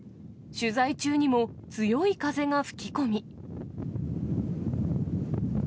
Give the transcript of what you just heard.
取材中にも、強い風が吹き込み。